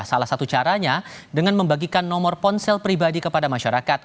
salah satu caranya dengan membagikan nomor ponsel pribadi kepada masyarakat